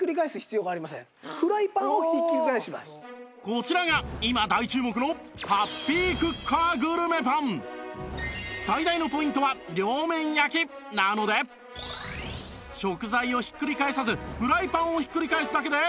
こちらが今大注目の最大のポイントは両面焼きなので食材をひっくり返さずフライパンをひっくり返すだけで